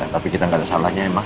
tapi kita gak ada salahnya ya ma